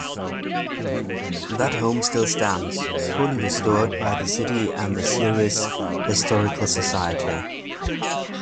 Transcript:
That home still stands, fully restored by the city and the Ceres Historical Society.